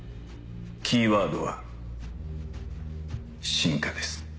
キーワードは「進化」です。